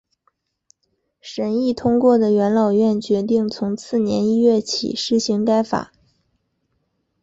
审议通过的元老院决定从次年一月起施行该法。